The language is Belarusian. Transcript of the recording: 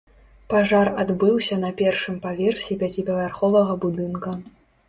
Пажар адбыўся на першым паверсе пяціпавярховага будынка.